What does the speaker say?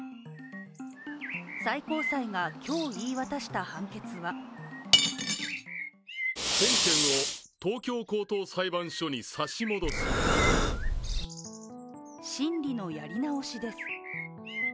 最高裁が今日、言い渡した判決は審理のやり直しです。